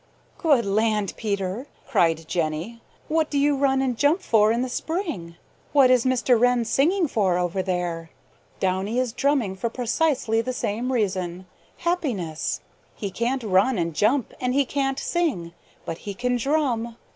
"Good land, Peter!" cried Jenny. "What do you run and jump for in the spring? What is Mr. Wren singing for over there? Downy is drumming for precisely the same reason happiness. He can't run and jump and he can't sing, but he can drum.